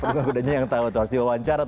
penunggang kudanya yang tahu itu harus diwawancara